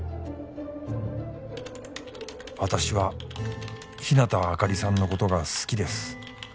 「私は日向明里さんのことが好きです」